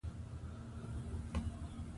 افغانستان د ننګرهار له امله شهرت لري.